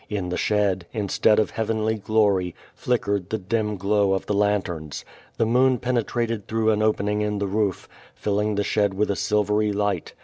In the shed, instead of heavenly glory, flickered the dim glow of the lanterns. The moon penetrated through an opening in the roof, filling the shed with a silvery light.